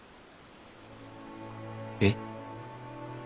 えっ？